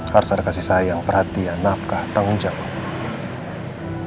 harus ada kasih sayang perhatian nafkah tanggung jawab